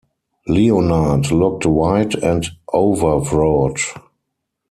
Leonard looked white and overwrought.